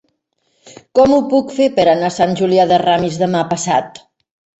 Com ho puc fer per anar a Sant Julià de Ramis demà passat?